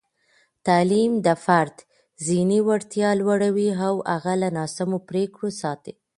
تعلیم د فرد ذهني وړتیا لوړوي او هغه له ناسمو پرېکړو ساتي.